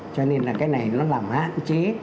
cho nên là cái này nó làm hạn chế